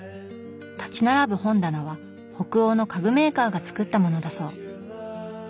立ち並ぶ本棚は北欧の家具メーカーが作ったものだそう。